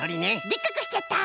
でっかくしちゃった！